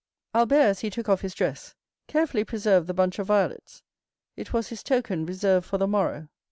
Albert, as he took off his dress, carefully preserved the bunch of violets; it was his token reserved for the morrow.